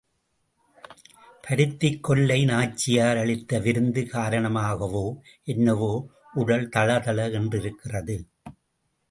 பருத்திக் கொல்லை நாச்சியார் அளித்த விருந்து காரணமாகவோ என்னவோ உடல் தளதள என்றிருக்கிறது.